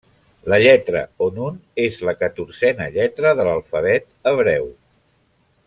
La lletra o nun és la catorzena lletra de l'alfabet hebreu.